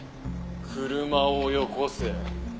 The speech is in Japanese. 車をよこせ。